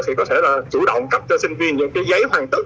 thì có thể là chủ động cấp cho sinh viên những cái giấy hoàn tất